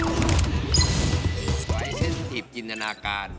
วัยเซ็นติปจินตนาการ